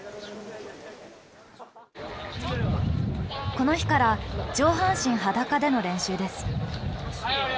この日から上半身裸での練習です。